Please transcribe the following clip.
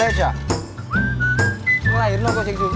saya tidak tahu apa itu